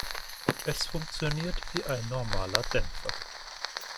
Es funktioniert wie ein normaler Dämpfer.